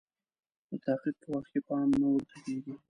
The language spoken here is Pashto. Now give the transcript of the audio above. د تحقیق په وخت کې پام نه ورته کیږي.